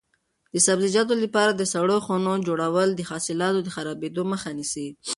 د سبزیجاتو لپاره د سړو خونو جوړول د حاصلاتو د خرابېدو مخه نیسي.